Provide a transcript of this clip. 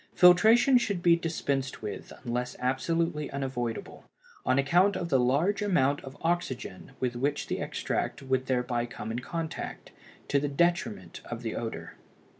Filtration should be dispensed with unless absolutely unavoidable, on account of the large amount of oxygen with which the extract would thereby come in contact, to the detriment of the odor.